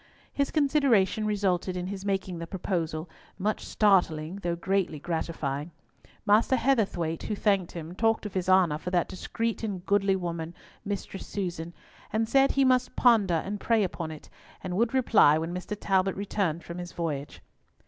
His consideration resulted in his making the proposal, much startling, though greatly gratifying. Master Heatherthwayte, who thanked him, talked of his honour for that discreet and godly woman Mistress Susan, and said he must ponder and pray upon it, and would reply when Mr. Talbot returned from his voyage.